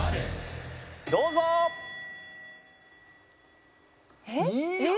どうぞ！えっ？えっ？